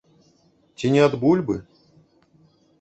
Ці не ад бульбы?